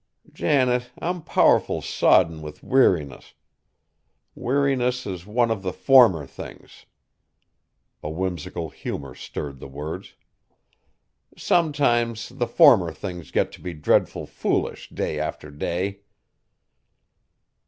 Janet, I'm powerful sodden with weariness. Weariness is one of the former things!" A whimsical humor stirred the words. "Sometimes the former things get t' be dreadful foolish day after day."